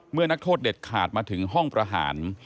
นักโทษเด็ดขาดมาถึงห้องประหาร